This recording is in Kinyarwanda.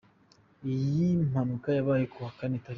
Iyi mpanuka yabaye kuwa kane tariki.